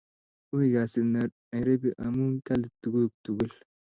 Ui kasit nairobi ngamun kali tukuk tugul